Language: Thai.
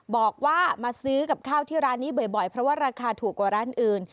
บอกว่ามาซื้อกับข้าวที่ร้านนี้บ่อยเพราะว่าราคาถูกกว่าร้านอื่น